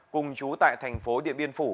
cùng trú tại thành phố điện biên phủ